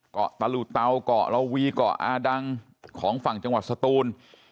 เกาะตะลุเตาเกาะละวีเกาะอาดังของฝั่งจังหวัดสตูน